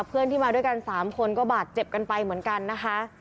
เพื่อนที่มาด้วยกัน๓คนก็บาดเจ็บกันไปเหมือนกันนะคะ